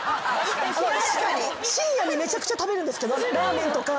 深夜にめちゃくちゃ食べるんですけどラーメンとか。